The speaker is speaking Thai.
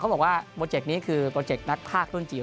บอกว่าโปรเจกต์นี้คือโปรเจกต์นักภาครุ่นจิ๋